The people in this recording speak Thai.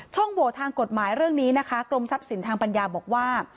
โหวตทางกฎหมายเรื่องนี้นะคะกรมทรัพย์สินทางปัญญาบอกว่า